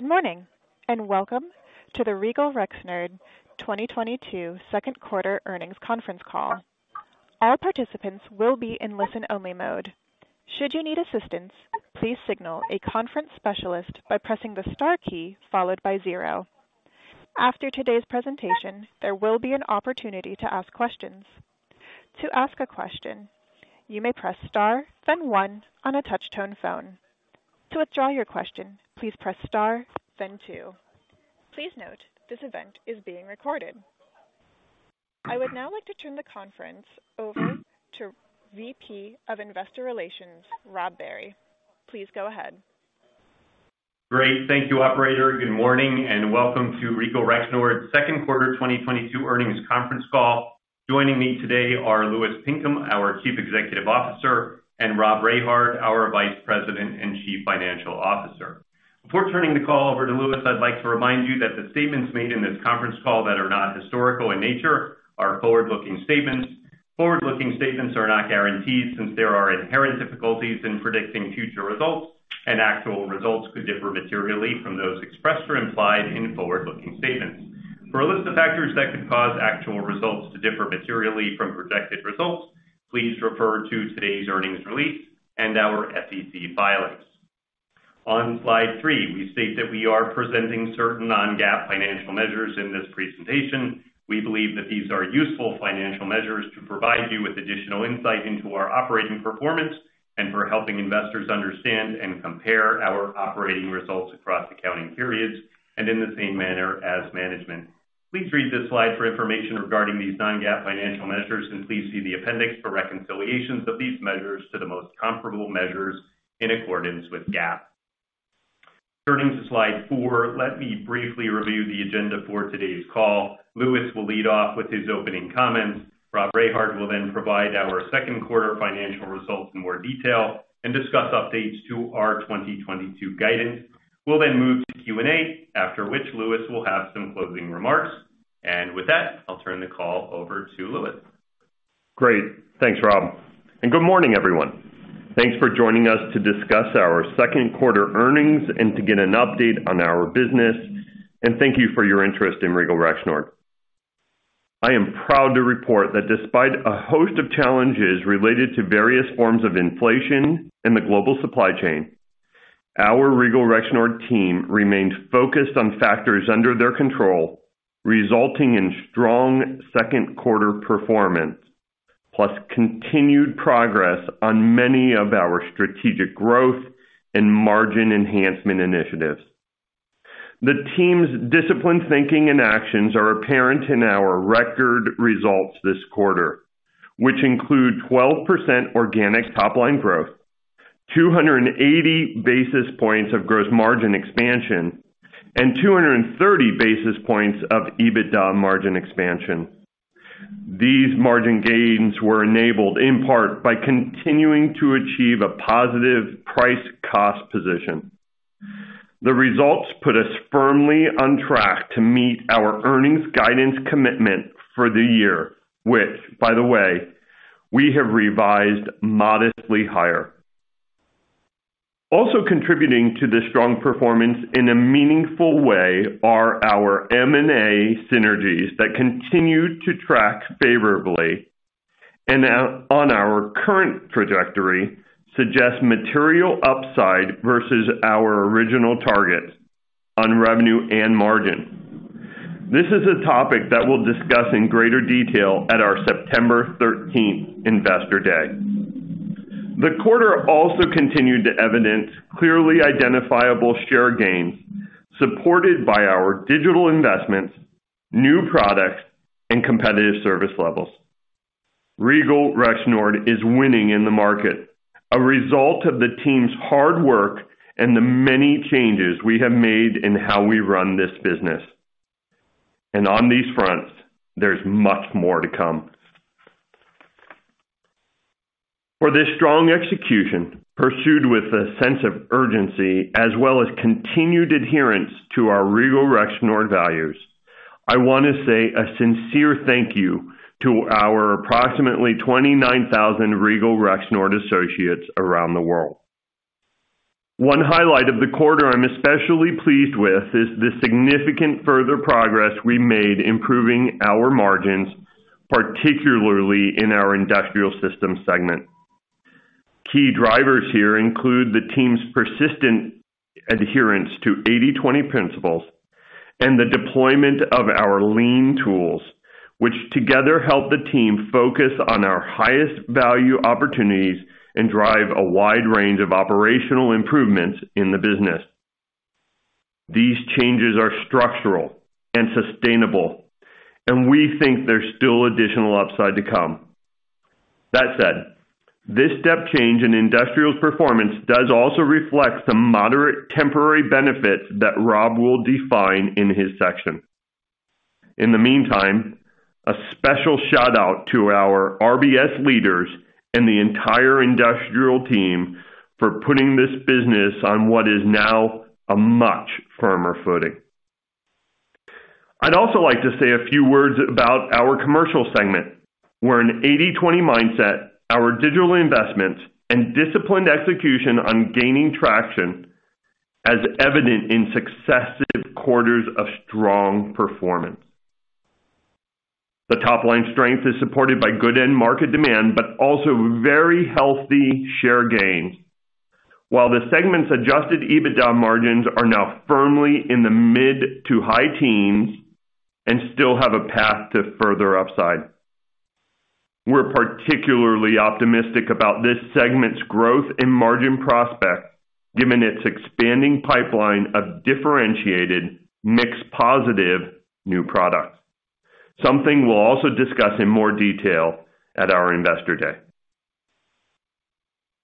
Good morning, and welcome to the Regal Rexnord 2022 second quarter earnings conference call. All participants will be in listen-only mode. Should you need assistance, please signal a conference specialist by pressing the star key followed by zero. After today's presentation, there will be an opportunity to ask questions. To ask a question, you may press star, then one on a touch-tone phone. To withdraw your question, please press star, then two. Please note, this event is being recorded. I would now like to turn the conference over to VP of Investor Relations, Robert Barry. Please go ahead. Great. Thank you, operator. Good morning and welcome to Regal Rexnord second quarter 2022 earnings conference call. Joining me today are Louis Pinkham, our Chief Executive Officer, and Rob Rehard, our Vice President and Chief Financial Officer. Before turning the call over to Louis, I'd like to remind you that the statements made in this conference call that are not historical in nature are forward-looking statements. Forward-looking statements are not guarantees since there are inherent difficulties in predicting future results, and actual results could differ materially from those expressed or implied in forward-looking statements. For a list of factors that could cause actual results to differ materially from projected results, please refer to today's earnings release and our SEC filings. On slide three, we state that we are presenting certain non-GAAP financial measures in this presentation. We believe that these are useful financial measures to provide you with additional insight into our operating performance and for helping investors understand and compare our operating results across accounting periods and in the same manner as management. Please read this slide for information regarding these non-GAAP financial measures, and please see the appendix for reconciliations of these measures to the most comparable measures in accordance with GAAP. Turning to slide four, let me briefly review the agenda for today's call. Louis will lead off with his opening comments. Rob Rehard will then provide our second quarter financial results in more detail and discuss updates to our 2022 guidance. We'll then move to Q&A, after which Louis will have some closing remarks. With that, I'll turn the call over to Louis. Great. Thanks, Rob, and good morning, everyone. Thanks for joining us to discuss our second quarter earnings and to get an update on our business, and thank you for your interest in Regal Rexnord. I am proud to report that despite a host of challenges related to various forms of inflation in the global supply chain, our Regal Rexnord team remained focused on factors under their control, resulting in strong second quarter performance, plus continued progress on many of our strategic growth and margin enhancement initiatives. The team's disciplined thinking and actions are apparent in our record results this quarter, which include 12% organic top line growth, 280 basis points of gross margin expansion, and 230 basis points of EBITDA margin expansion. These margin gains were enabled in part by continuing to achieve a positive price cost position. The results put us firmly on track to meet our earnings guidance commitment for the year, which by the way, we have revised modestly higher. Also contributing to the strong performance in a meaningful way are our M&A synergies that continue to track favorably and now on our current trajectory, suggest material upside versus our original target on revenue and margin. This is a topic that we'll discuss in greater detail at our September 13th investor day. The quarter also continued to evidence clearly identifiable share gains supported by our digital investments, new products, and competitive service levels. Regal Rexnord is winning in the market, a result of the team's hard work and the many changes we have made in how we run this business. On these fronts, there's much more to come. For this strong execution pursued with a sense of urgency as well as continued adherence to our Regal Rexnord values, I want to say a sincere thank you to our approximately 29,000 Regal Rexnord associates around the world. One highlight of the quarter I'm especially pleased with is the significant further progress we made improving our margins, particularly in our Industrial Systems segment. Key drivers here include the team's persistent adherence to 80/20 principles and the deployment of our lean tools, which together help the team focus on our highest value opportunities and drive a wide range of operational improvements in the business. These changes are structural and sustainable, and we think there's still additional upside to come. That said, this step change in Industrial's performance does also reflect some moderate temporary benefits that Rob will define in his section. In the meantime, a special shout out to our RBS leaders and the entire industrial team for putting this business on what is now a much firmer footing. I'd also like to say a few words about our commercial segment, where an 80/20 mindset, our digital investments, and disciplined execution, gaining traction as evident in successive quarters of strong performance. The top-line strength is supported by good end market demand, but also very healthy share gains. While the segment's adjusted EBITDA margins are now firmly in the mid- to high-teens% and still have a path to further upside. We're particularly optimistic about this segment's growth and margin prospect, given its expanding pipeline of differentiated mix-positive new products. Something we'll also discuss in more detail at our Investor Day.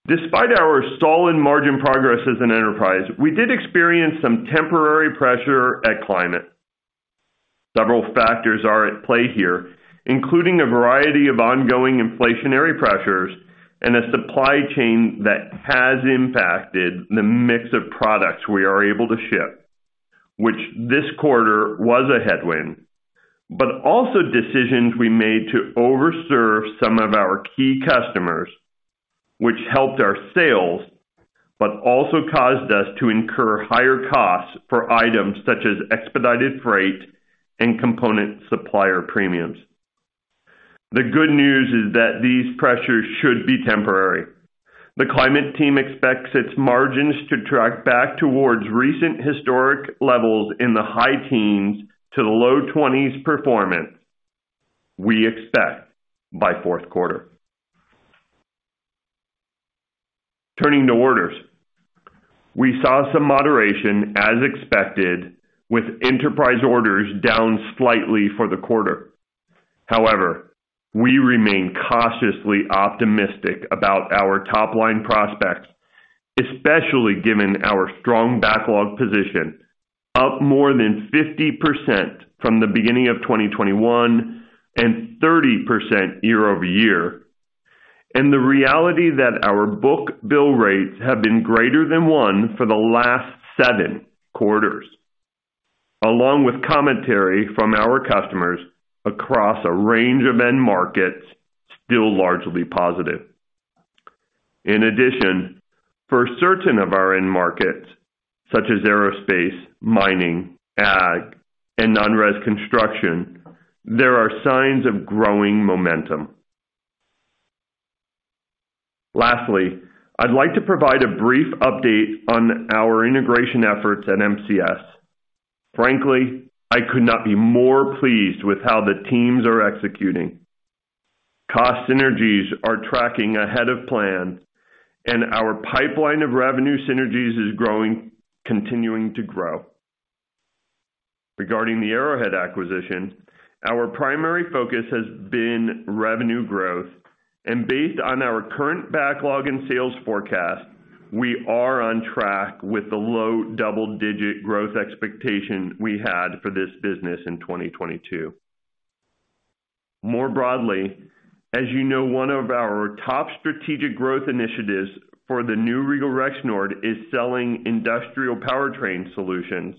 Despite our solid margin progress as an enterprise, we did experience some temporary pressure at Climate. Several factors are at play here, including a variety of ongoing inflationary pressures and a supply chain that has impacted the mix of products we are able to ship, which this quarter was a headwind. Also decisions we made to overserve some of our key customers, which helped our sales, but also caused us to incur higher costs for items such as expedited freight and component supplier premiums. The good news is that these pressures should be temporary. The Climate team expects its margins to track back towards recent historic levels in the high teens% to the low 20s% performance we expect by fourth quarter. Turning to orders. We saw some moderation as expected with enterprise orders down slightly for the quarter. However, we remain cautiously optimistic about our top line prospects, especially given our strong backlog position, up more than 50% from the beginning of 2021 and 30% year-over-year, and the reality that our book-to-bill rates have been greater than one for the last seven quarters, along with commentary from our customers across a range of end markets, still largely positive. In addition, for certain of our end markets, such as aerospace, mining, ag, and non-res construction, there are signs of growing momentum. Lastly, I'd like to provide a brief update on our integration efforts at MCS. Frankly, I could not be more pleased with how the teams are executing. Cost synergies are tracking ahead of plan, and our pipeline of revenue synergies is growing, continuing to grow. Regarding the Arrowhead acquisition, our primary focus has been revenue growth. Based on our current backlog and sales forecast, we are on track with the low double-digit growth expectation we had for this business in 2022. More broadly, as you know, one of our top strategic growth initiatives for the new Regal Rexnord is selling industrial powertrain solutions,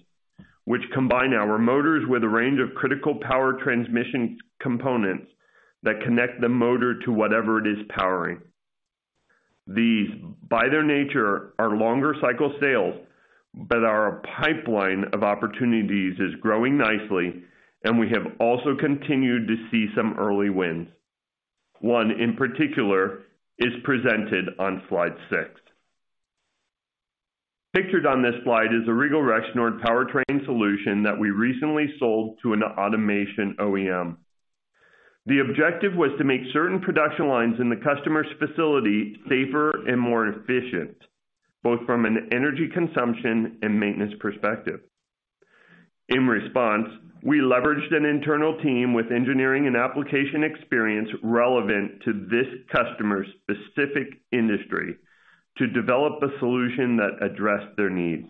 which combine our motors with a range of critical power transmission components that connect the motor to whatever it is powering. These, by their nature, are longer cycle sales, but our pipeline of opportunities is growing nicely, and we have also continued to see some early wins. One in particular is presented on slide 6. Pictured on this slide is a Regal Rexnord powertrain solution that we recently sold to an automation OEM. The objective was to make certain production lines in the customer's facility safer and more efficient, both from an energy consumption and maintenance perspective. In response, we leveraged an internal team with engineering and application experience relevant to this customer's specific industry to develop a solution that addressed their needs.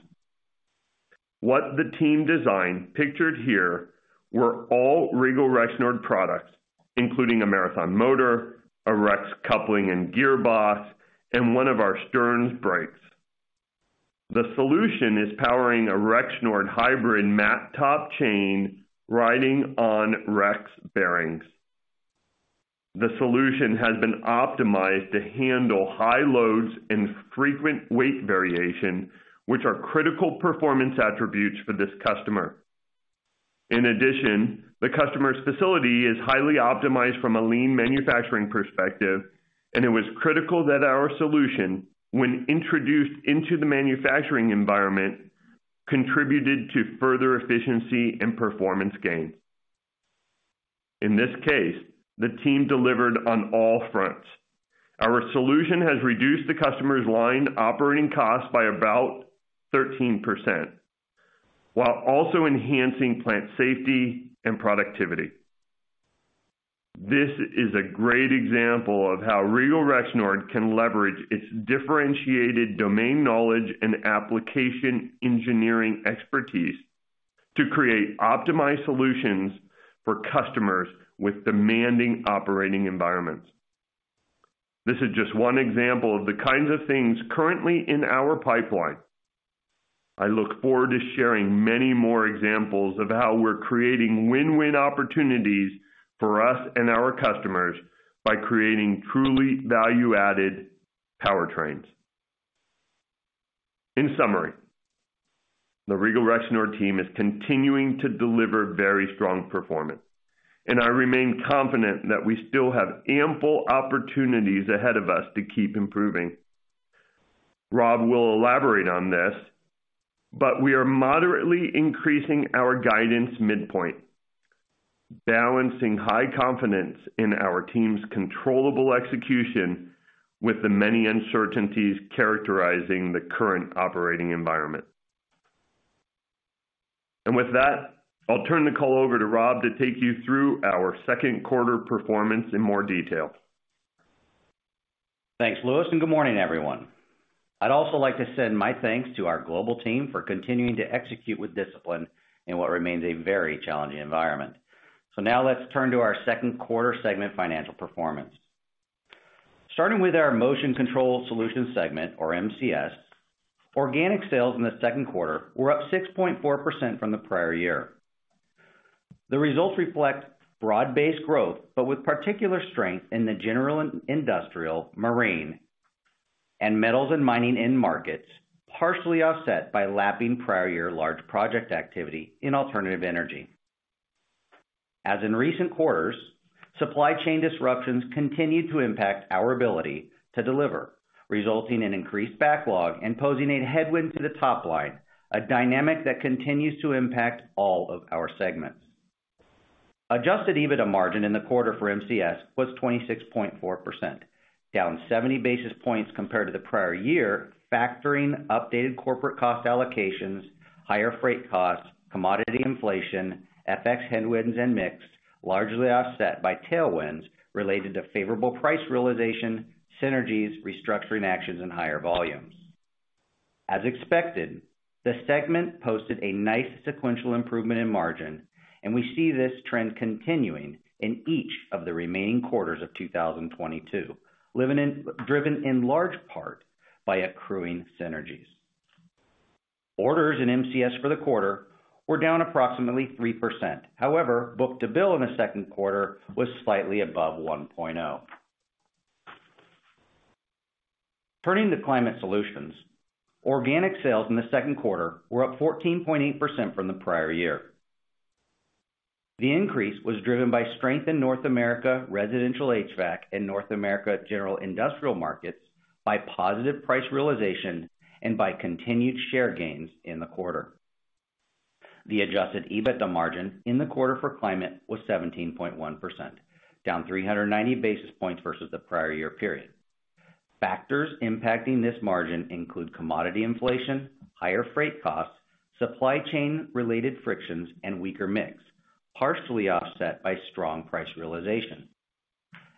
What the team designed, pictured here, were all Regal Rexnord products, including a Marathon motor, a Rex coupling and gear box, and one of our Stearns brakes. The solution is powering a Rexnord hybrid MatTop chain riding on Rex bearings. The solution has been optimized to handle high loads and frequent weight variation, which are critical performance attributes for this customer. In addition, the customer's facility is highly optimized from a lean manufacturing perspective, and it was critical that our solution, when introduced into the manufacturing environment, contributed to further efficiency and performance gain. In this case, the team delivered on all fronts. Our solution has reduced the customer's line operating cost by about 13% while also enhancing plant safety and productivity. This is a great example of how Regal Rexnord can leverage its differentiated domain knowledge and application engineering expertise to create optimized solutions for customers with demanding operating environments. This is just one example of the kinds of things currently in our pipeline. I look forward to sharing many more examples of how we're creating win-win opportunities for us and our customers by creating truly value-added powertrains. In summary, the Regal Rexnord team is continuing to deliver very strong performance, and I remain confident that we still have ample opportunities ahead of us to keep improving. Rob will elaborate on this, but we are moderately increasing our guidance midpoint, balancing high confidence in our team's controllable execution with the many uncertainties characterizing the current operating environment. With that, I'll turn the call over to Rob to take you through our second quarter performance in more detail. Thanks, Louis, and good morning, everyone. I'd also like to send my thanks to our global team for continuing to execute with discipline in what remains a very challenging environment. Now let's turn to our second quarter segment financial performance. Starting with our Motion Control Solutions segment or MCS, organic sales in the second quarter were up 6.4% from the prior year. The results reflect broad-based growth, but with particular strength in the general industrial, marine, and metals and mining end markets, partially offset by lapping prior year large project activity in alternative energy. As in recent quarters, supply chain disruptions continued to impact our ability to deliver, resulting in increased backlog and posing a headwind to the top line, a dynamic that continues to impact all of our segments. Adjusted EBITDA margin in the quarter for MCS was 26.4%, down 70 basis points compared to the prior year, factoring updated corporate cost allocations, higher freight costs, commodity inflation, FX headwinds and mix, largely offset by tailwinds related to favorable price realization, synergies, restructuring actions, and higher volumes. As expected, the segment posted a nice sequential improvement in margin, and we see this trend continuing in each of the remaining quarters of 2022, driven in large part by accruing synergies. Orders in MCS for the quarter were down approximately 3%. However, book-to-bill in the second quarter was slightly above 1.0. Turning to Climate Solutions. Organic sales in the second quarter were up 14.8% from the prior year. The increase was driven by strength in North America residential HVAC and North America general industrial markets by positive price realization and by continued share gains in the quarter. The adjusted EBITDA margin in the quarter for Climate was 17.1%, down 390 basis points versus the prior year period. Factors impacting this margin include commodity inflation, higher freight costs, supply chain-related frictions, and weaker mix, partially offset by strong price realization.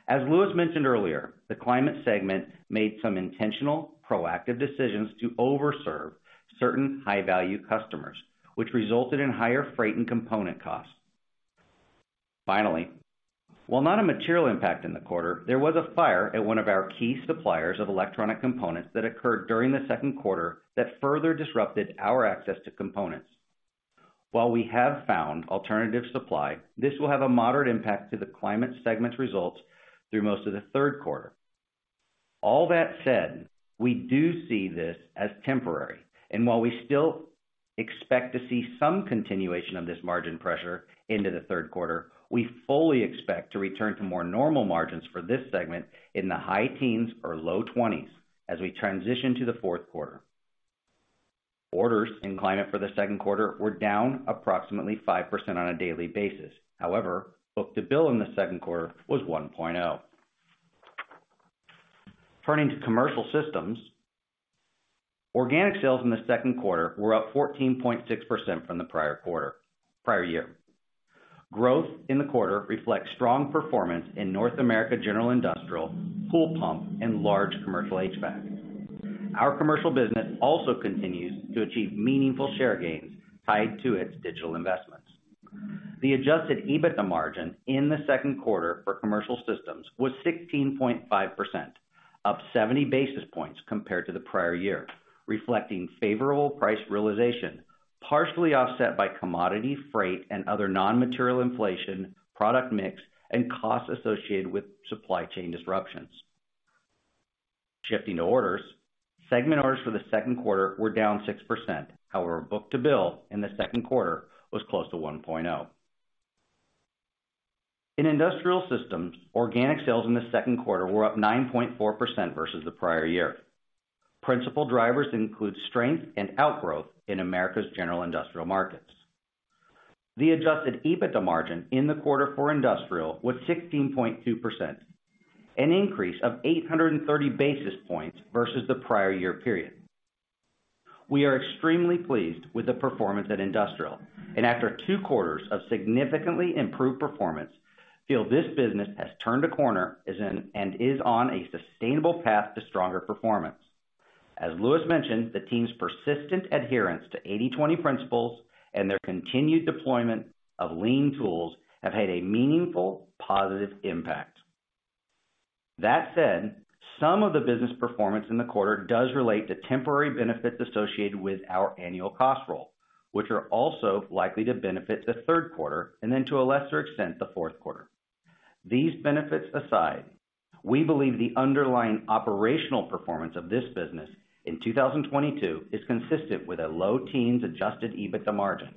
As Louis mentioned earlier, the Climate segment made some intentional proactive decisions to overserve certain high-value customers, which resulted in higher freight and component costs. Finally, while not a material impact in the quarter, there was a fire at one of our key suppliers of electronic components that occurred during the second quarter that further disrupted our access to components. While we have found alternative supply, this will have a moderate impact to the Climate segment's results through most of the third quarter. All that said, we do see this as temporary, and while we still expect to see some continuation of this margin pressure into the third quarter, we fully expect to return to more normal margins for this segment in the high teens or low twenties as we transition to the fourth quarter. Orders in Climate for the second quarter were down approximately 5% on a daily basis. However, book-to-bill in the second quarter was 1.0. Turning to Commercial Systems. Organic sales in the second quarter were up 14.6% from the prior year. Growth in the quarter reflects strong performance in North America general industrial, pool pump, and large commercial HVAC. Our commercial business also continues to achieve meaningful share gains tied to its digital investments. The adjusted EBITDA margin in the second quarter for Commercial Systems was 16.5%, up 70 basis points compared to the prior year, reflecting favorable price realization, partially offset by commodity, freight, and other non-material inflation, product mix, and costs associated with supply chain disruptions. Shifting to orders. Segment orders for the second quarter were down 6%. However, book-to-bill in the second quarter was close to 1.0. In Industrial Systems, organic sales in the second quarter were up 9.4% versus the prior year. Principal drivers include strength and outgrowth in American general industrial markets. The adjusted EBITDA margin in the quarter for Industrial was 16.2%, an increase of 830 basis points versus the prior year period. We are extremely pleased with the performance at Industrial, and after two quarters of significantly improved performance, feel this business has turned a corner and is on a sustainable path to stronger performance. As Louis mentioned, the team's persistent adherence to 80/20 principles and their continued deployment of lean tools have had a meaningful positive impact. That said, some of the business performance in the quarter does relate to temporary benefits associated with our annual cost rollup, which are also likely to benefit the third quarter, and then to a lesser extent, the fourth quarter. These benefits aside, we believe the underlying operational performance of this business in 2022 is consistent with a low-teens adjusted EBITDA margin,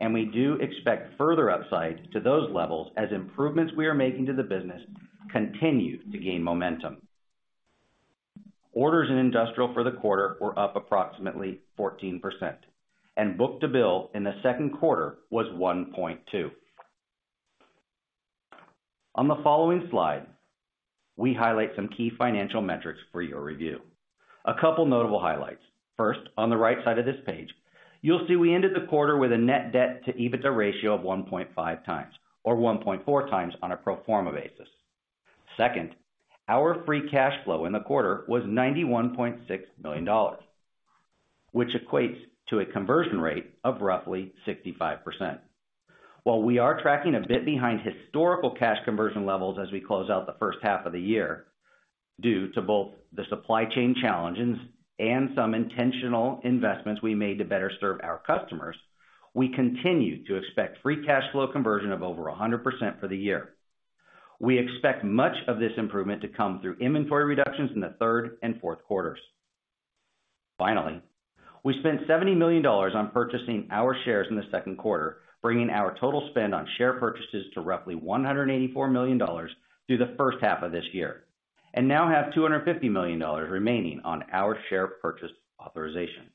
and we do expect further upside to those levels as improvements we are making to the business continue to gain momentum. Orders in industrial for the quarter were up approximately 14%, and book-to-bill in the second quarter was 1.2. On the following slide, we highlight some key financial metrics for your review. A couple notable highlights. First, on the right side of this page, you'll see we ended the quarter with a net debt to EBITDA ratio of 1.5 times or 1.4 times on a pro forma basis. Second, our free cash flow in the quarter was $91.6 million, which equates to a conversion rate of roughly 65%. While we are tracking a bit behind historical cash conversion levels as we close out the first half of the year, due to both the supply chain challenges and some intentional investments we made to better serve our customers, we continue to expect free cash flow conversion of over 100% for the year. We expect much of this improvement to come through inventory reductions in the third and fourth quarters. Finally, we spent $70 million on purchasing our shares in the second quarter, bringing our total spend on share purchases to roughly $184 million through the first half of this year, and now have $250 million remaining on our share purchase authorization.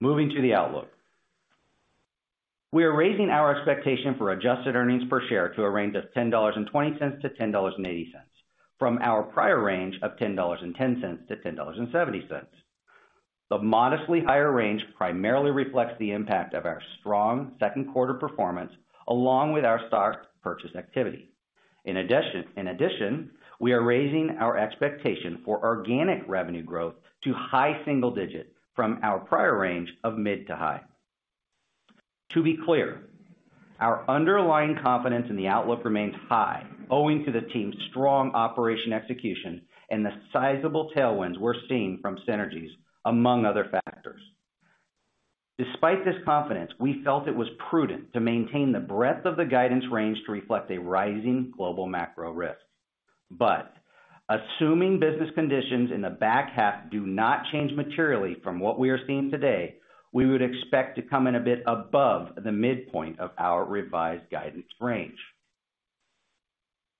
Moving to the outlook. We are raising our expectation for adjusted earnings per share to a range of $10.20-$10.80 from our prior range of $10.10-$10.70. The modestly higher range primarily reflects the impact of our strong second quarter performance along with our stock purchase activity. In addition, we are raising our expectation for organic revenue growth to high single digit from our prior range of mid to high. To be clear, our underlying confidence in the outlook remains high, owing to the team's strong operation execution and the sizable tailwinds we're seeing from synergies, among other factors. Despite this confidence, we felt it was prudent to maintain the breadth of the guidance range to reflect a rising global macro risk. Assuming business conditions in the back half do not change materially from what we are seeing today, we would expect to come in a bit above the midpoint of our revised guidance range.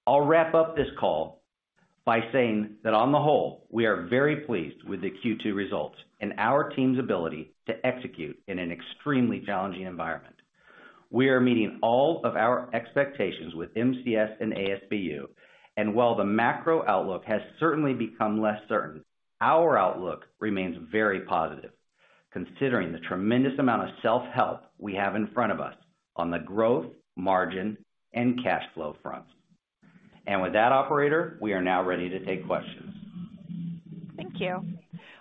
I'll wrap up this call by saying that on the whole, we are very pleased with the Q2 results and our team's ability to execute in an extremely challenging environment. We are meeting all of our expectations with MCS and ASBU, and while the macro outlook has certainly become less certain, our outlook remains very positive, considering the tremendous amount of self-help we have in front of us on the growth, margin, and cash flow fronts. With that, operator, we are now ready to take questions. Thank you.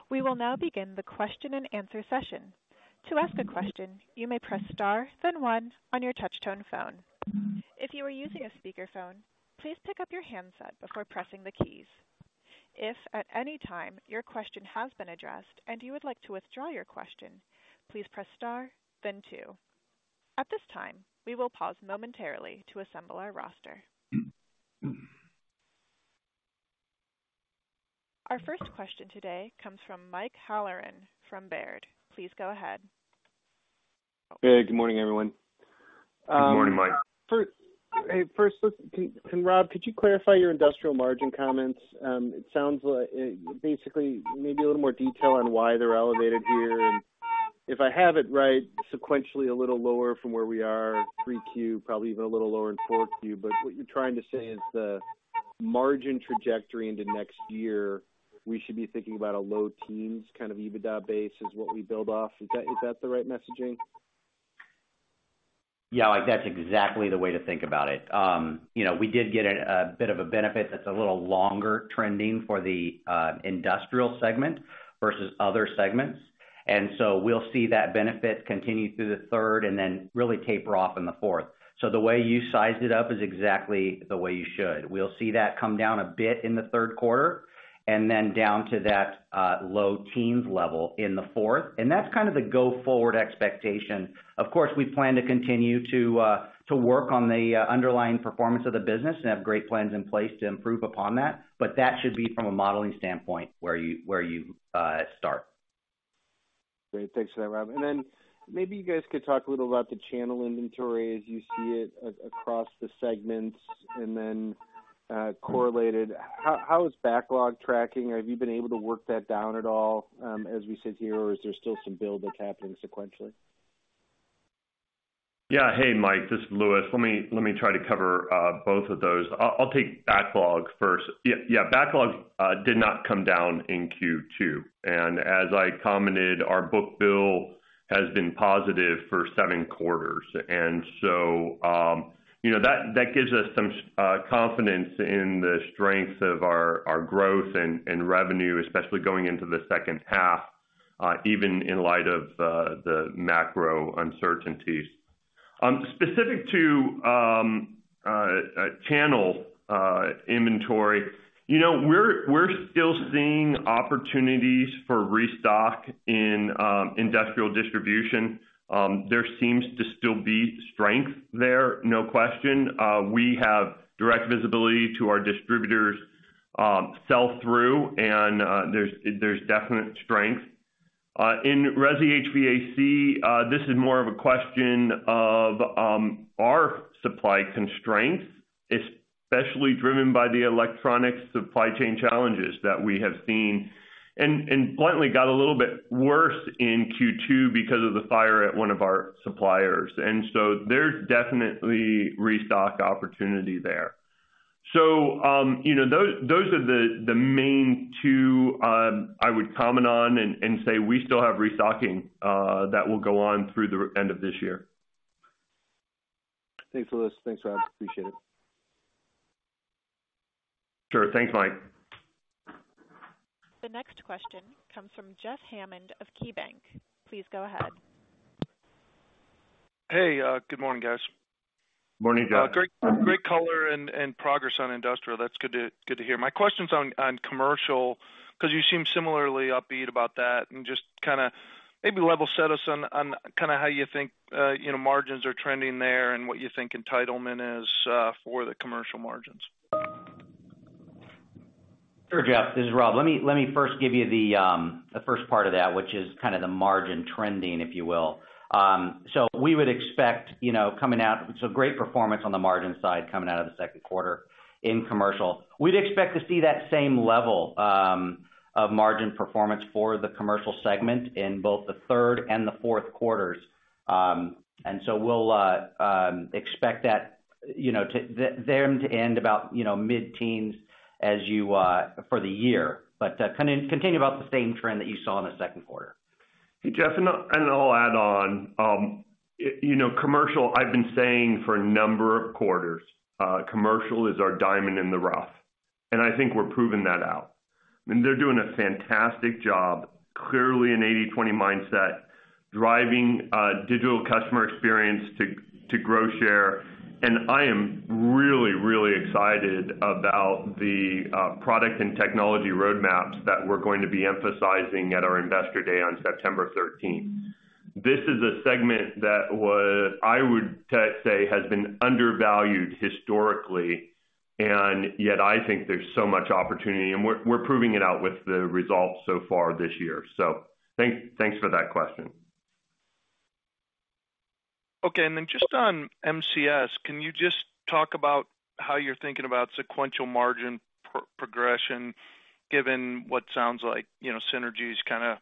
We will now begin the question-and-answer session. To ask a question, you may press star, then one on your touch tone phone. If you are using a speakerphone, please pick up your handset before pressing the keys. If at any time your question has been addressed and you would like to withdraw your question, please press star, then two. At this time, we will pause momentarily to assemble our roster. Our first question today comes from Michael Halloran from Baird. Please go ahead. Hey, good morning, everyone. Good morning, Mike. First, listen. Rob, could you clarify your industrial margin comments? It sounds like, basically, maybe a little more detail on why they're elevated here. If I have it right, sequentially a little lower from where we are, 3Q, probably even a little lower in 4Q. What you're trying to say is the margin trajectory into next year, we should be thinking about a low-teens kind of EBITDA base is what we build off. Is that the right messaging? Yeah, Mike, that's exactly the way to think about it. You know, we did get a bit of a benefit that's a little longer trending for the industrial segment versus other segments. We'll see that benefit continue through the third and then really taper off in the fourth. The way you sized it up is exactly the way you should. We'll see that come down a bit in the third quarter and then down to that low teens% level in the fourth. That's kind of the go-forward expectation. Of course, we plan to continue to work on the underlying performance of the business and have great plans in place to improve upon that. That should be from a modeling standpoint where you start. Great. Thanks for that, Rob. Then maybe you guys could talk a little about the channel inventory as you see it across the segments, and then, correlated, how is backlog tracking? Have you been able to work that down at all, as we sit here, or is there still some build that's happening sequentially? Yeah. Hey, Michael, this is Louis. Let me try to cover both of those. I'll take backlog first. Backlogs did not come down in Q2. As I commented, our book-to-bill has been positive for seven quarters. You know, that gives us some confidence in the strength of our growth and revenue, especially going into the second half. Even in light of the macro uncertainties. Specific to channel inventory, you know, we're still seeing opportunities for restock in industrial distribution. There seems to still be strength there, no question. We have direct visibility to our distributors' sell through, and there's definite strength. In resi HVAC, this is more of a question of our supply constraints, especially driven by the electronic supply chain challenges that we have seen, and bluntly got a little bit worse in Q2 because of the fire at one of our suppliers. There's definitely restock opportunity there. You know, those are the main two I would comment on and say we still have restocking that will go on through the end of this year. Thanks, Louis. Thanks, Rob. Appreciate it. Sure. Thanks, Mike. The next question comes from Jeff Hammond of KeyBanc. Please go ahead. Hey, good morning, guys. Morning, Jeff. Great color and progress on industrial. That's good to hear. My question's on commercial 'cause you seem similarly upbeat about that. Just kinda maybe level set us on kinda how you think, you know, margins are trending there and what you think entitlement is for the commercial margins. Sure, Jeff. This is Rob. Let me first give you the first part of that, which is kind of the margin trending, if you will. Great performance on the margin side coming out of the second quarter in Commercial. We'd expect to see that same level of margin performance for the Commercial segment in both the third and the fourth quarters. We'll expect that, you know, to end about, you know, mid-teens as you for the year. Continue about the same trend that you saw in the second quarter. Hey, Jeff, I'll add on. You know, Commercial, I've been saying for a number of quarters, Commercial is our diamond in the rough, and I think we're proving that out. I mean, they're doing a fantastic job, clearly an 80/20 mindset, driving digital customer experience to grow share. I am really, really excited about the product and technology roadmaps that we're going to be emphasizing at our Investor Day on September 13. This is a segment that I would say has been undervalued historically, and yet I think there's so much opportunity. We're proving it out with the results so far this year. Thanks for that question. Okay. Just on MCS, can you just talk about how you're thinking about sequential margin progression, given what sounds like, you know, synergies kinda,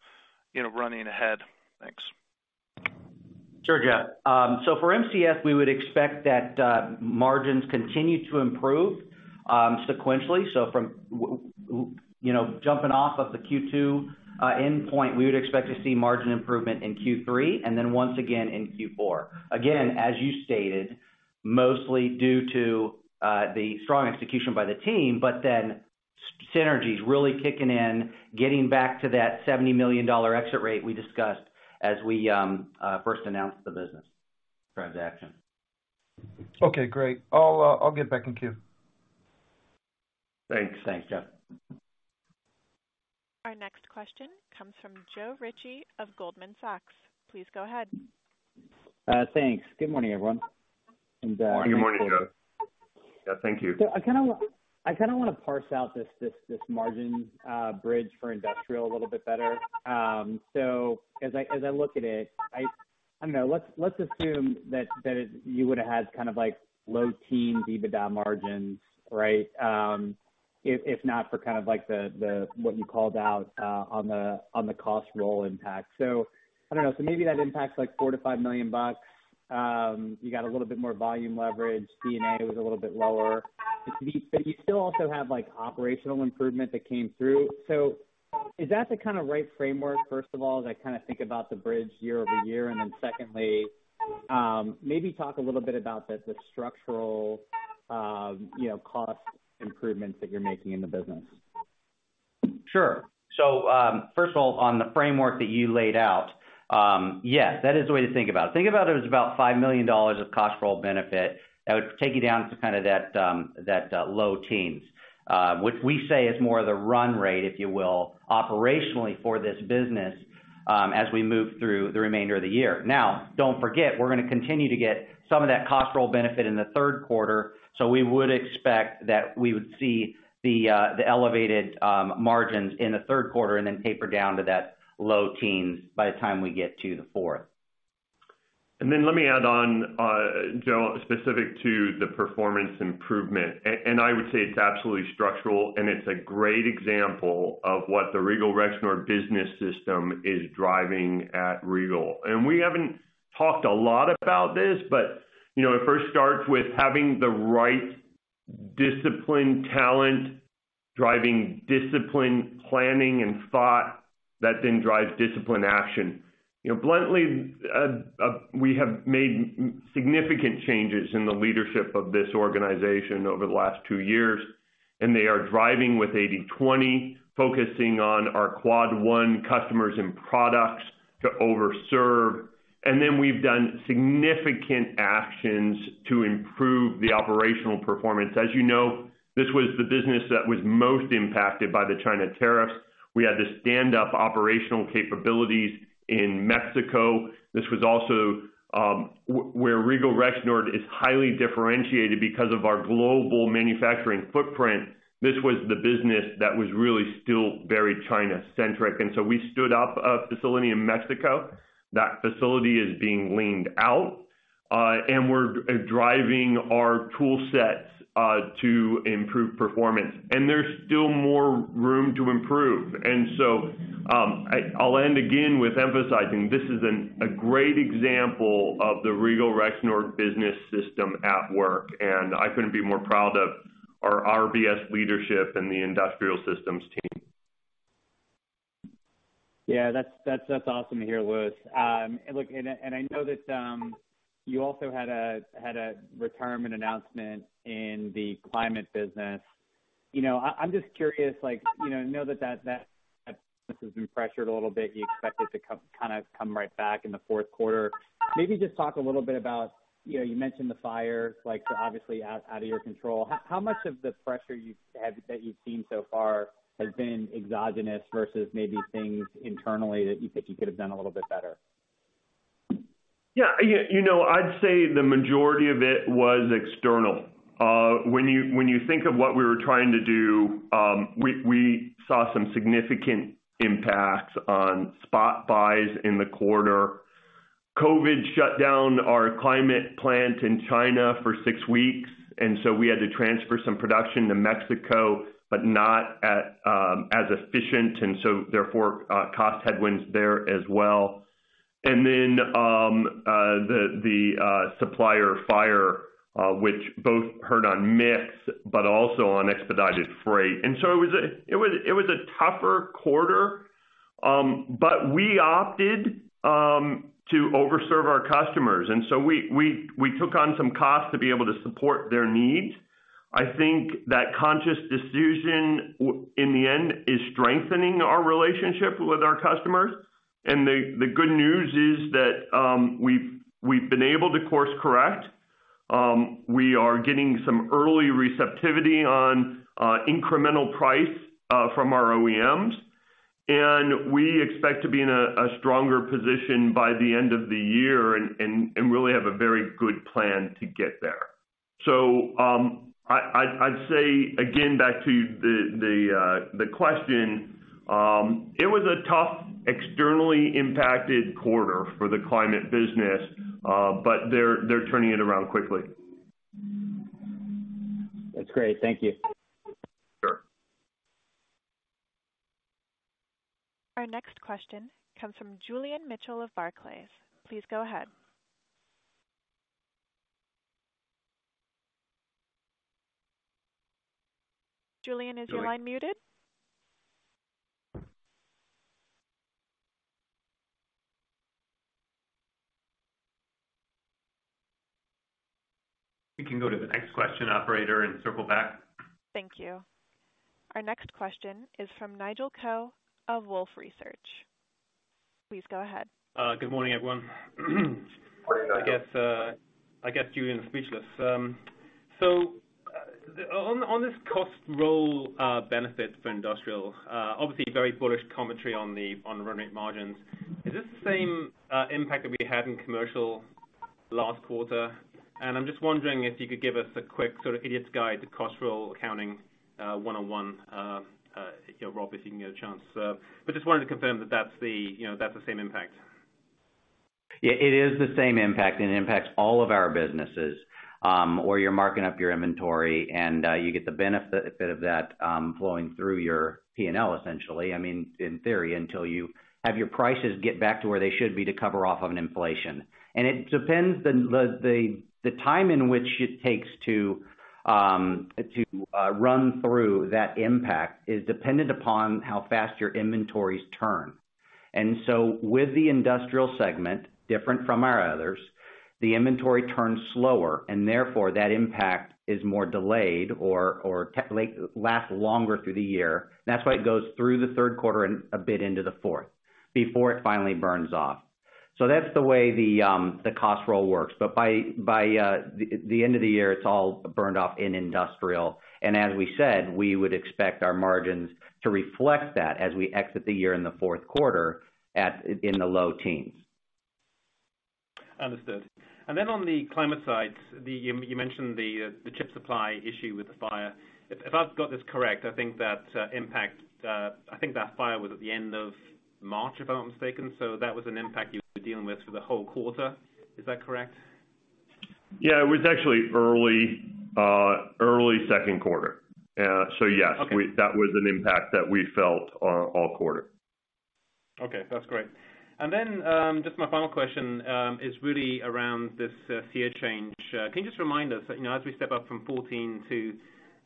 you know, running ahead? Thanks. Sure, Jeff. For MCS, we would expect that margins continue to improve sequentially. From you know, jumping off of the Q2 endpoint, we would expect to see margin improvement in Q3 and then once again in Q4. Again, as you stated, mostly due to the strong execution by the team, but then synergies really kicking in, getting back to that $70 million exit rate we discussed as we first announced the business transaction. Okay, great. I'll get back in queue. Thanks. Thanks, Jeff. Our next question comes from Joe Ritchie of Goldman Sachs. Please go ahead. Thanks. Good morning, everyone. Good morning, Joe. Yeah, thank you. I kinda wanna parse out this margin bridge for Industrial a little bit better. As I look at it, I don't know. Let's assume that you would've had kind of like low-teens EBITDA margins, right? If not for kind of like the what you called out on the cost rollup impact. I don't know. Maybe that impacts like $4 million-$5 million. You got a little bit more volume leverage. D&A was a little bit lower. You still also have, like, operational improvement that came through. Is that the kinda right framework, first of all, as I kinda think about the bridge year-over-year? Secondly, maybe talk a little bit about the structural, you know, cost improvements that you're making in the business. Sure. First of all, on the framework that you laid out, yes, that is the way to think about it. Think about it as about $5 million of cost rollup benefit that would take you down to kind of that low teens%, which we say is more the run rate, if you will, operationally for this business, as we move through the remainder of the year. Now, don't forget, we're gonna continue to get some of that cost rollup benefit in the third quarter, so we would expect that we would see the elevated margins in the third quarter and then taper down to that low teens% by the time we get to the fourth. Let me add on, Joe, specific to the performance improvement. And I would say it's absolutely structural, and it's a great example of what the Regal Rexnord Business System is driving at Regal. We haven't talked a lot about this, but, you know, it first starts with having the right disciplined talent, driving disciplined planning and thought that then drives disciplined action. You know, bluntly, we have made significant changes in the leadership of this organization over the last two years. They are driving with 80/20, focusing on our Quad One customers and products to over-serve. We've done significant actions to improve the operational performance. As you know, this was the business that was most impacted by the China tariffs. We had to stand up operational capabilities in Mexico. This was also where Regal Rexnord is highly differentiated because of our global manufacturing footprint. This was the business that was really still very China-centric. We stood up a facility in Mexico. That facility is being leaned out, and we're driving our tool sets to improve performance. There's still more room to improve. I'll end again with emphasizing this is a great example of the Regal Rexnord Business System at work, and I couldn't be more proud of our RBS leadership and the Industrial Systems team. Yeah. That's awesome to hear, Louis. Look, I know that you also had a retirement announcement in the Climate business. You know, I'm just curious, like, you know, I know that that business has been pressured a little bit. You expect it to come right back in the fourth quarter. Maybe just talk a little bit about, you know, you mentioned the fire, like, so obviously out of your control. How much of the pressure that you've seen so far has been exogenous versus maybe things internally that you think you could have done a little bit better? Yeah, you know, I'd say the majority of it was external. When you think of what we were trying to do, we saw some significant impacts on spot buys in the quarter. COVID shut down our Climate plant in China for six weeks, and so we had to transfer some production to Mexico, but not as efficient, and so therefore cost headwinds there as well. The supplier fire, which both hurt on mix but also on expedited freight. It was a tougher quarter, but we opted to overserve our customers, and so we took on some costs to be able to support their needs. I think that conscious decision in the end is strengthening our relationship with our customers. The good news is that we've been able to course correct. We are getting some early receptivity on incremental price from our OEMs. We expect to be in a stronger position by the end of the year and really have a very good plan to get there. I'd say again, back to the question, it was a tough externally impacted quarter for the climate business, but they're turning it around quickly. That's great. Thank you. Sure. Our next question comes from Julian Mitchell of Barclays. Please go ahead. Julian, is your line muted? Julian? We can go to the next question, operator, and circle back. Thank you. Our next question is from Nigel Coe of Wolfe Research. Please go ahead. Good morning, everyone. Morning. I guess Julian's speechless. So, on this cost rollup benefit for industrial, obviously very bullish commentary on the running margins. Is this the same impact that we had in commercial last quarter? I'm just wondering if you could give us a quick sort of idiot's guide to cost rollup accounting 101, you know, Rob, if you can get a chance. Just wanted to confirm that that's the same impact. Yeah, it is the same impact, and it impacts all of our businesses, or you're marking up your inventory and, you get the benefit of that, flowing through your P&L, essentially. I mean, in theory, until you have your prices get back to where they should be to cover off on inflation. It depends the time in which it takes to run through that impact is dependent upon how fast your inventories turn. With the industrial segment, different from our others, the inventory turns slower, and therefore that impact is more delayed or last longer through the year. That's why it goes through the third quarter and a bit into the fourth before it finally burns off. That's the way the cost rollup works. By the end of the year, it's all burned off in industrial. As we said, we would expect our margins to reflect that as we exit the year in the fourth quarter in the low teens%. Understood. Then on the climate side, you mentioned the chip supply issue with the fire. If I've got this correct, I think that fire was at the end of March, if I'm not mistaken. That was an impact you were dealing with for the whole quarter. Is that correct? Yeah. It was actually early second quarter. Yes. Okay that was an impact that we felt all quarter. Okay, that's great. Just my final question is really around this SEER change. Can you just remind us, you know, as we step up from 14 to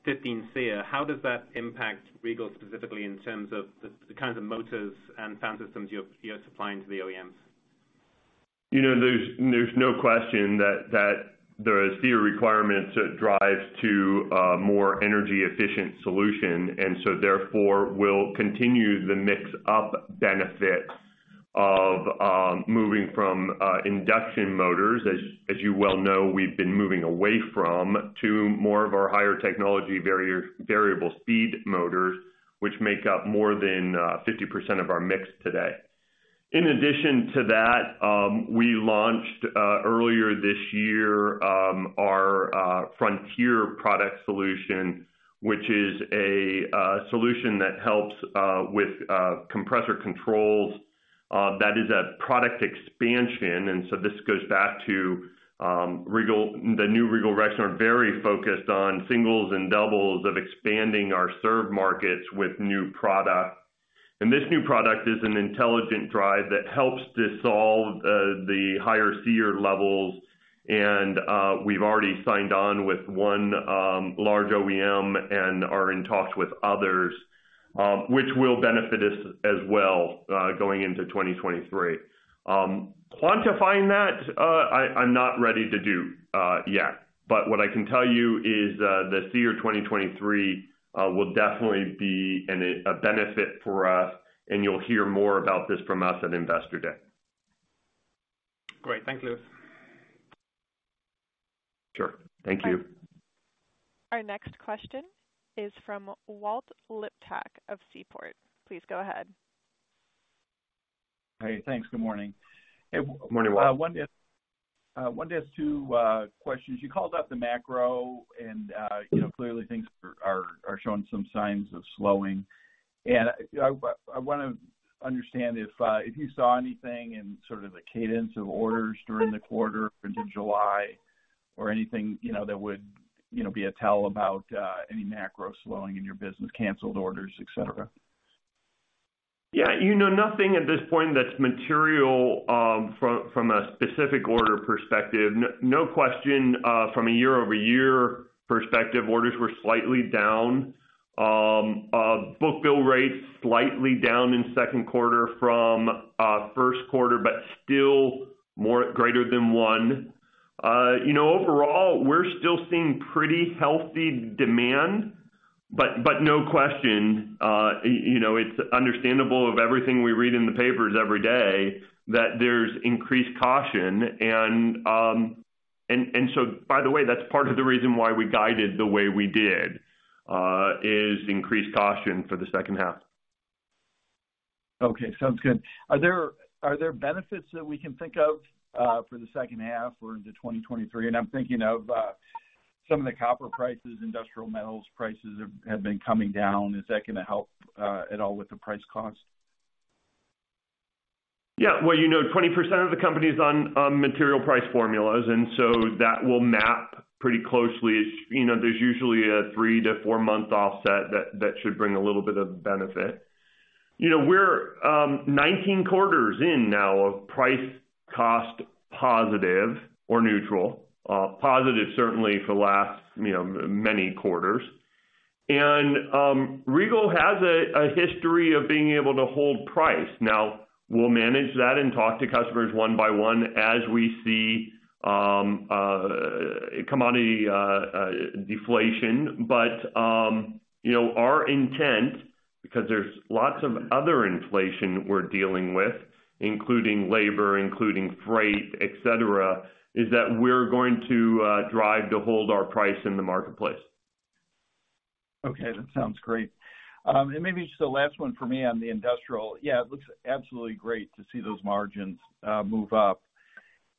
15 SEER, how does that impact Regal specifically in terms of the kinds of motors and fan systems you're supplying to the OEMs? You know, there's no question that there is SEER requirements that drives to a more energy efficient solution, and so therefore will continue the mix up benefit of moving from induction motors, as you well know, we've been moving away from, to more of our higher technology variable speed motors, which make up more than 50% of our mix today. In addition to that, we launched earlier this year our Frontier product solution, which is a solution that helps with compressor controls, that is a product expansion. This goes back to Regal Rexnord. The new Regal Rexnord are very focused on singles and doubles of expanding our served markets with new product. This new product is an intelligent drive that helps resolve the higher SEER levels. We've already signed on with one large OEM and are in talks with others, which will benefit us as well, going into 2023. Quantifying that, I'm not ready to do yet. What I can tell you is, the SEER 2023 will definitely be a benefit for us, and you'll hear more about this from us at Investor Day. Great. Thank you. Sure. Thank you. Our next question is from Walter Liptak of Seaport. Please go ahead. Hey, thanks. Good morning. Good morning, Walter. Wanted to ask two questions. You called out the macro and, you know, clearly things are showing some signs of slowing. I wanna understand if you saw anything in sort of the cadence of orders during the quarter into July or anything, you know, that would, you know, be a tell about any macro slowing in your business, canceled orders, et cetera. Yeah. You know, nothing at this point that's material, from a specific order perspective. No question, from a year-over-year perspective, orders were slightly down. Book-to-bill rates slightly down in second quarter from first quarter, but still greater than one. You know, overall, we're still seeing pretty healthy demand. No question, you know, it's understandable of everything we read in the papers every day that there's increased caution. By the way, that's part of the reason why we guided the way we did, is increased caution for the second half. Okay. Sounds good. Are there benefits that we can think of for the second half or into 2023? I'm thinking of some of the copper prices, industrial metals prices have been coming down. Is that gonna help at all with the price cost? Yeah. Well, you know, 20% of the company is on material price formulas, and so that will map pretty closely. You know, there's usually a three-to four-month offset that should bring a little bit of benefit. You know, we're 19 quarters in now of price cost positive or neutral, positive certainly for the last, you know, many quarters. Regal has a history of being able to hold price. Now we'll manage that and talk to customers one by one as we see commodity deflation. You know, our intent, because there's lots of other inflation we're dealing with, including labor, including freight, et cetera, is that we're going to drive to hold our price in the marketplace. Okay. That sounds great. Maybe just the last one for me on the industrial. Yeah, it looks absolutely great to see those margins move up.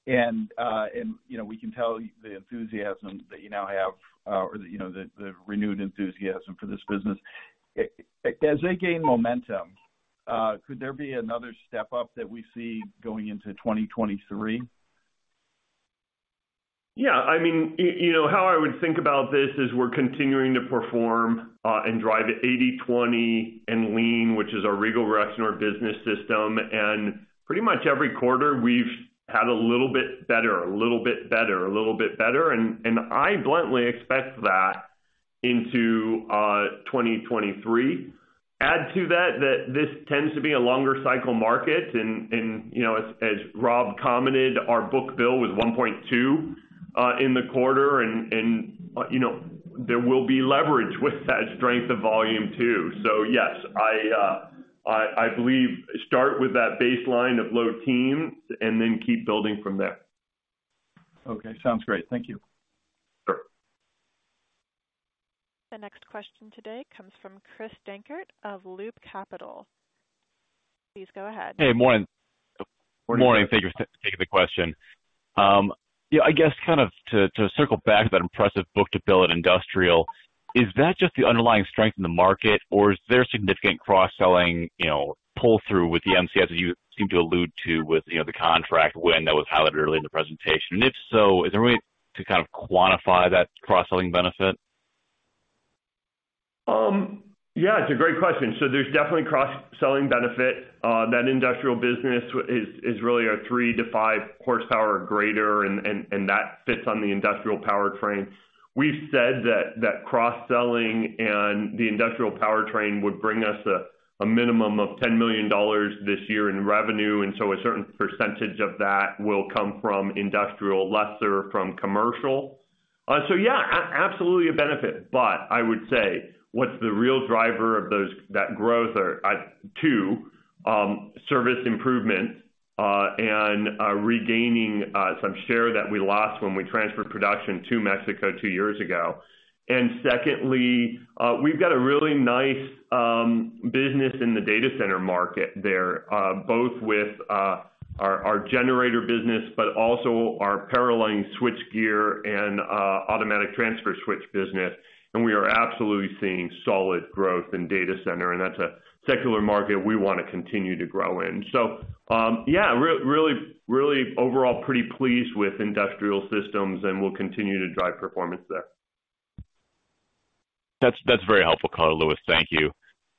You know, we can tell the enthusiasm that you now have, or, you know, the renewed enthusiasm for this business. As they gain momentum, could there be another step up that we see going into 2023? Yeah. I mean, you know, how I would think about this is we're continuing to perform and drive at 80/20 and lean, which is our Regal Rexnord Business System. Pretty much every quarter, we've had a little bit better. I bluntly expect that into 2023. Add to that, this tends to be a longer cycle market. You know, as Rob commented, our book-to-bill was 1.2 in the quarter. You know, there will be leverage with that strength of volume too. Yes, I believe start with that baseline of low teens and then keep building from there. Okay. Sounds great. Thank you. Sure. The next question today comes from Chris Dankert of Loop Capital. Please go ahead. Hey, morning. Morning. Morning. Thank you. Thank you for taking the question. Yeah, I guess kind of to circle back to that impressive book-to-bill at Industrial, is that just the underlying strength in the market, or is there significant cross-selling, you know, pull-through with the MCS, as you seem to allude to with, you know, the contract win that was highlighted early in the presentation? If so, is there a way to kind of quantify that cross-selling benefit? Yeah, it's a great question. There's definitely cross-selling benefit. That industrial business is really our 3-5 hp or greater, and that fits on the industrial powertrain. We've said that that cross-selling and the industrial powertrain would bring us a minimum of $10 million this year in revenue, and a certain percentage of that will come from industrial, lesser from commercial. Yeah, absolutely a benefit. I would say what's the real driver of that growth are two, service improvement and regaining some share that we lost when we transferred production to Mexico two years ago. Secondly, we've got a really nice business in the data center market there, both with our generator business, but also our powerline switchgear and automatic transfer switch business. We are absolutely seeing solid growth in data center, and that's a secular market we wanna continue to grow in. Yeah, really overall pretty pleased with Industrial Systems and we'll continue to drive performance there. That's very helpful color, Louis. Thank you.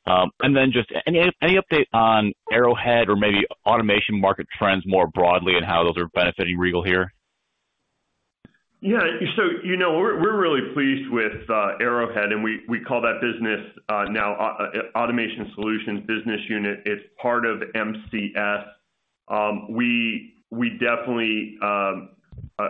Just any update on Arrowhead or maybe automation market trends more broadly and how those are benefiting Regal here? Yeah. You know, we're really pleased with Arrowhead, and we call that business now Automation Solutions business unit. It's part of MCS. We definitely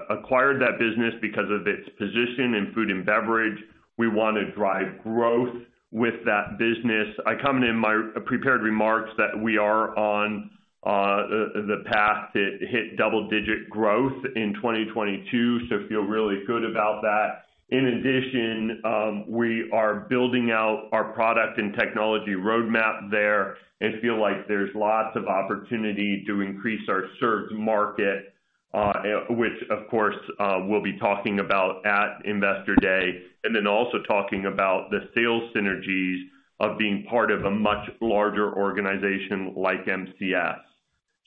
acquired that business because of its position in food and beverage. We wanna drive growth with that business. I commented in my prepared remarks that we are on the path to hit double-digit growth in 2022, so feel really good about that. In addition, we are building out our product and technology roadmap there and feel like there's lots of opportunity to increase our served market, which of course we'll be talking about at Investor Day. Then also talking about the sales synergies of being part of a much larger organization like MCS.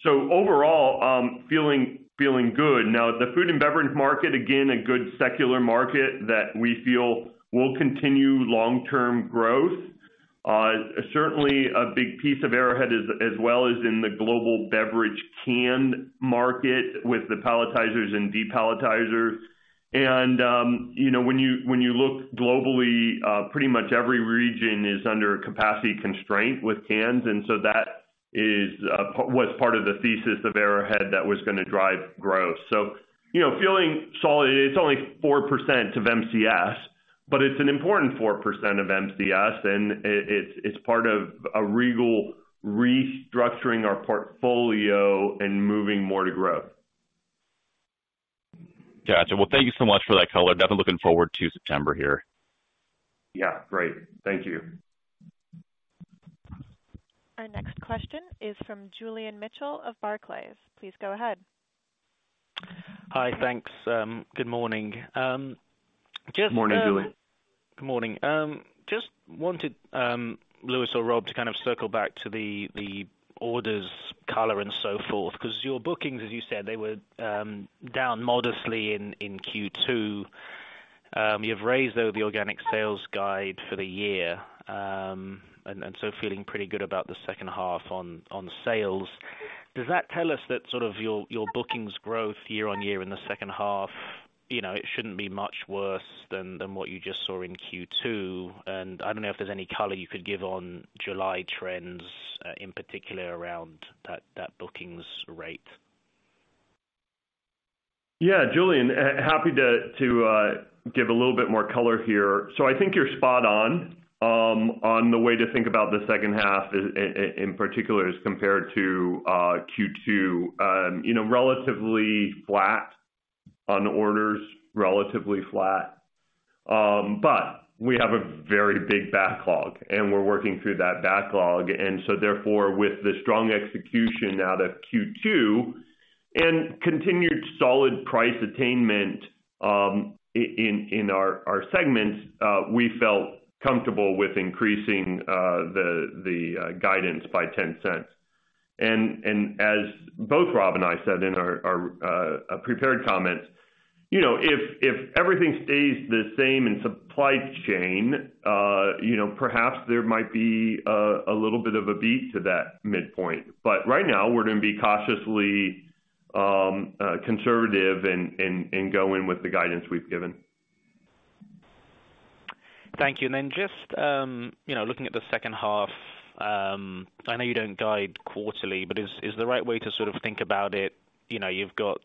Overall, feeling good. Now, the food and beverage market, again, a good secular market that we feel will continue long-term growth. Certainly a big piece of Arrowhead as well as in the global beverage can market with the palletizers and depalletizers. You know, when you look globally, pretty much every region is under capacity constraint with cans, and so that was part of the thesis of Arrowhead that was gonna drive growth. You know, feeling solid. It's only 4% of MCS, but it's an important 4% of MCS, and it's part of a Regal restructuring our portfolio and moving more to growth. Gotcha. Well, thank you so much for that color. Definitely looking forward to September here. Yeah. Great. Thank you. Our next question is from Julian Mitchell of Barclays. Please go ahead. Hi. Thanks. Good morning. Morning, Julian. Good morning. Just wanted Louis or Rob to kind of circle back to the orders color and so forth, 'cause your bookings, as you said, they were down modestly in Q2. You've raised though the organic sales guide for the year, and so feeling pretty good about the second half on sales. Does that tell us that sort of your bookings growth year-over-year in the second half, you know, it shouldn't be much worse than what you just saw in Q2? I don't know if there's any color you could give on July trends in particular around that bookings rate. Yeah. Julian, happy to give a little bit more color here. I think you're spot on the way to think about the second half in particular as compared to Q2. You know, relatively flat on orders, relatively flat. We have a very big backlog, and we're working through that backlog, and so therefore with the strong execution out of Q2 and continued solid price attainment, in our segments, we felt comfortable with increasing the guidance by $0.10. As both Rob and I said in our prepared comments, you know, if everything stays the same in supply chain, you know, perhaps there might be a little bit of a beat to that midpoint. Right now we're gonna be cautiously conservative and go in with the guidance we've given. Thank you. Just, you know, looking at the second half, I know you don't guide quarterly, but is the right way to sort of think about it, you know, you've got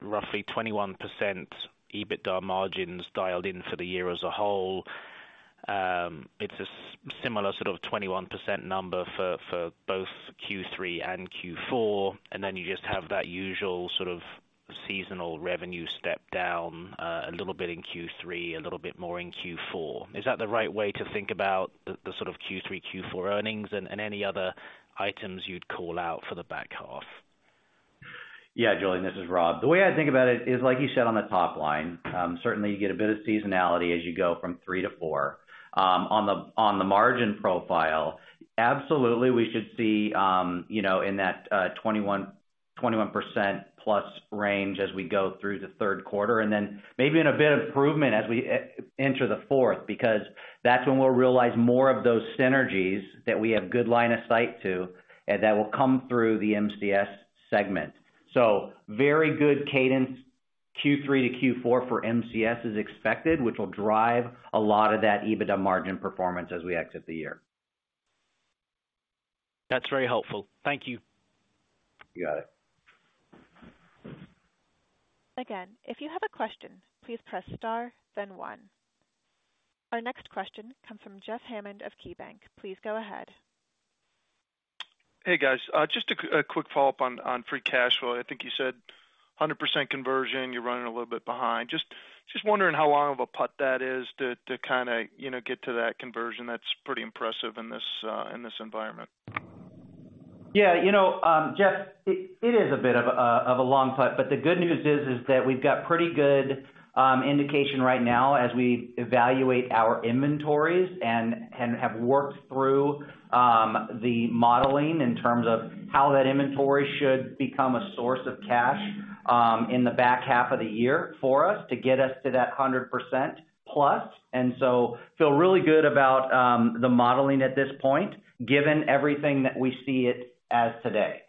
roughly 21% EBITDA margins dialed in for the year as a whole. It's a similar sort of 21% number for both Q3 and Q4, and then you just have that usual sort of seasonal revenue step down, a little bit in Q3, a little bit more in Q4. Is that the right way to think about the sort of Q3, Q4 earnings and any other items you'd call out for the back half? Yeah. Julian, this is Rob. The way I think about it is, like you said on the top line, certainly you get a bit of seasonality as you go from three to four. On the margin profile, absolutely we should see in that 21%+ range as we go through the third quarter, and then maybe a bit of improvement as we enter the fourth, because that's when we'll realize more of those synergies that we have good line of sight to, and that will come through the MCS segment. Very good cadence Q3 to Q4 for MCS is expected, which will drive a lot of that EBITDA margin performance as we exit the year. That's very helpful. Thank you. You got it. Again, if you have a question, please press star then one. Our next question comes from Jeffrey Hammond of KeyBanc Capital Markets. Please go ahead. Hey, guys. Just a quick follow-up on free cash flow. I think you said 100% conversion. You're running a little bit behind. Just wondering how long of a putt that is to kinda, you know, get to that conversion. That's pretty impressive in this environment. Yeah. You know, Jeff, it is a bit of a long putt, but the good news is that we've got pretty good indication right now as we evaluate our inventories and have worked through the modeling in terms of how that inventory should become a source of cash in the back half of the year for us to get us to that 100%+. Feel really good about the modeling at this point, given everything that we see it as today.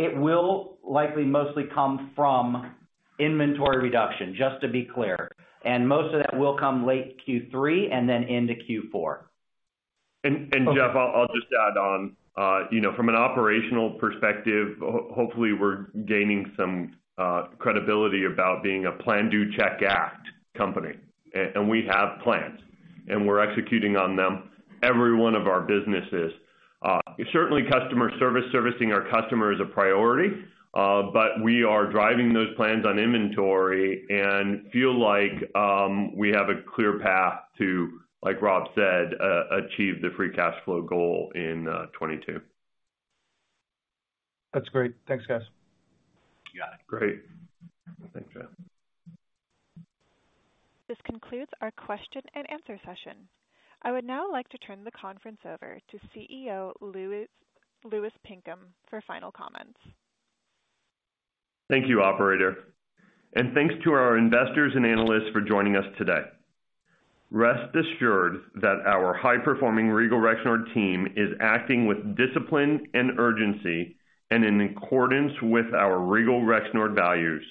It will likely mostly come from inventory reduction, just to be clear. Most of that will come late Q3 and then into Q4. Jeff, I'll just add on. You know, from an operational perspective, hopefully, we're gaining some credibility about being a plan-do-check-act company. We have plans, and we're executing on them, every one of our businesses. Certainly customer service, servicing our customer is a priority, but we are driving those plans on inventory and feel like we have a clear path to, like Rob said, achieve the free cash flow goal in 2022. That's great. Thanks, guys. You got it. Great. Thanks, Jeff. This concludes our question and answer session. I would now like to turn the conference over to CEO Louis Pinkham for final comments. Thank you, operator. Thanks to our investors and analysts for joining us today. Rest assured that our high-performing Regal Rexnord team is acting with discipline and urgency and in accordance with our Regal Rexnord values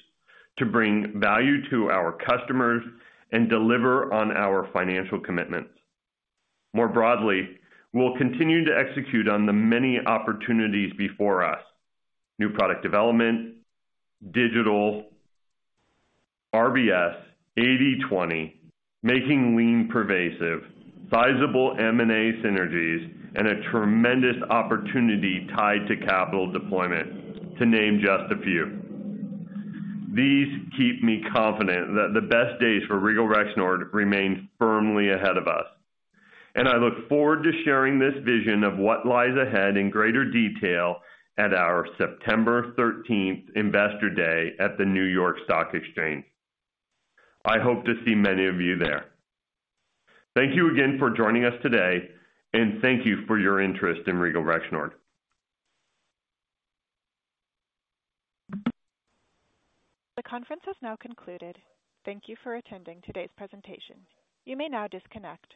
to bring value to our customers and deliver on our financial commitments. More broadly, we'll continue to execute on the many opportunities before us. New product development, digital, RBS, 80/20, making lean pervasive, sizable M&A synergies, and a tremendous opportunity tied to capital deployment, to name just a few. These keep me confident that the best days for Regal Rexnord remain firmly ahead of us, and I look forward to sharing this vision of what lies ahead in greater detail at our September 13th investor day at the New York Stock Exchange. I hope to see many of you there. Thank you again for joining us today, and thank you for your interest in Regal Rexnord. The conference has now concluded. Thank you for attending today's presentation. You may now disconnect.